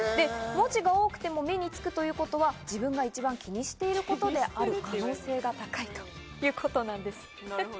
文字が多くても目につくということは自分が一番気にしていることである可能性が高いということです。